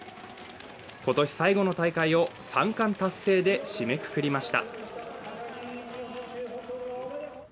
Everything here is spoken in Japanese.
今年最後の大会を３冠達成で締めくくりました。